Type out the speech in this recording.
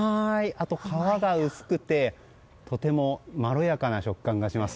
あと皮が薄くてとてもまろやかな食感がします。